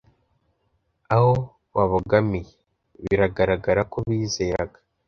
aho babogamiye. biragaragara ko bizeraga